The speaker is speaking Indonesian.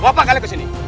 apa kabar kalian kesini